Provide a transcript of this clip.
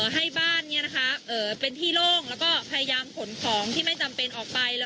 ให้บ้านเป็นที่โล่งแล้วก็พยายามขนของที่ไม่จำเป็นออกไป